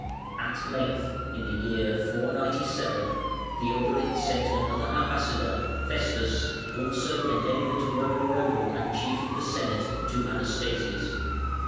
At length, in the year 497, Theodoric sent another ambassador, Festus, (also an eminent Roman noble and Chief of the Senate,) to Anastasius.